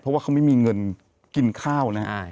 เพราะว่าเขาไม่มีเงินกินข้าวนะ